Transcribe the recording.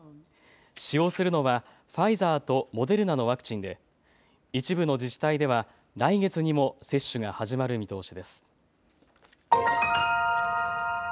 使用するのはファイザーとモデルナのワクチンで一部の自治体では来月にも接種が始まる見通しです。